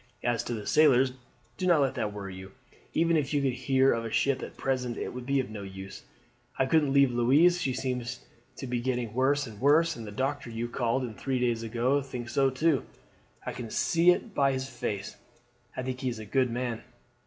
As to the sailors, do not let that worry you. Even if you could hear of a ship at present it would be of no use. I couldn't leave Louise; she seems to me to be getting worse and worse, and the doctor you called in three days ago thinks so too. I can see it by his face. I think he is a good man.